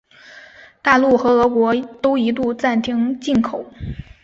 大陆和俄国都一度暂停进口。